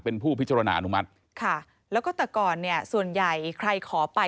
เป็นผู้พิจารณาอนุมัติค่ะแล้วก็แต่ก่อนเนี่ยส่วนใหญ่ใครขอไป